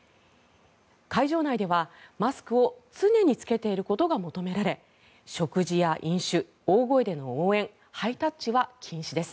会場内ではマスクを常に着けていることが求められ食事や飲酒、大声での応援ハイタッチは禁止です。